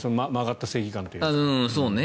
曲がった正義感というか。